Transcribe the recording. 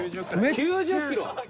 ９０キロ！？